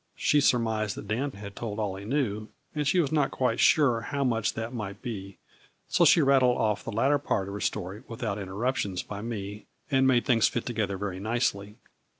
She surmised that Dan had told all he knew, and she was not quite sure how much that might be, so she rattled off the latter part of her story without interrup tions by me and made things fit together very nicely.